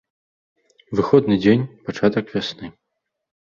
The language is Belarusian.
Выходны дзень, пачатак вясны.